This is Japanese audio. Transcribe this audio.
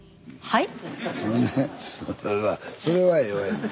はい。